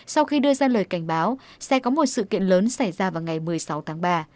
sau khi đưa ra lời cảnh báo sẽ có một sự kiện lớn xảy ra vào ngày một mươi sáu tháng ba